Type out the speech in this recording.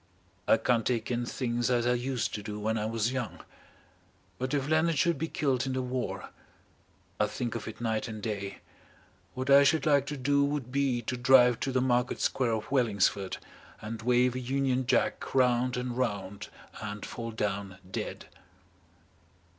I can't take in things as I used to do when I was young. But if Leonard should be killed in the war I think of it night and day what I should like to do would be to drive to the Market Square of Wellingsford and wave a Union Jack round and round and fall down dead."